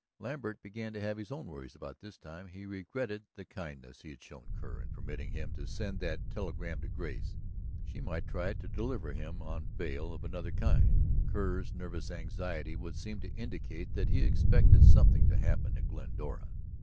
Lambert began to have his own worries about this time. He regretted the kindness he had shown Kerr in permitting him to send that telegram to Grace. She might try to deliver him on bail of another kind. Kerr's nervous anxiety would seem to indicate that he expected something to happen at Glendora.